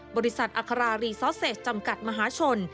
บริษัทอัครารีซอสเซสจำกัดมหาชน